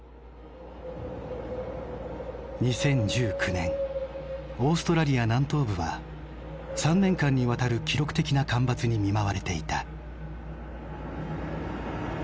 ２０１９年オーストラリア南東部は３年間にわたる記録的な干ばつに見舞われていた。